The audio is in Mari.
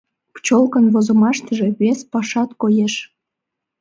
«Пчелкан» возымаштыже вес пашат коеш.